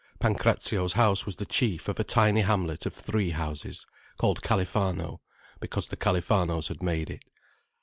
Pancrazio's house was the chief of a tiny hamlet of three houses, called Califano because the Califanos had made it.